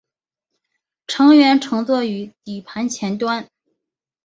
乘员乘坐于底盘前端。